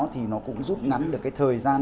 thì nó cũng giúp ngắn được cái thời gian